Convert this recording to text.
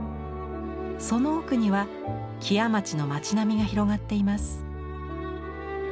その奥には木屋町の町並みが広がっています。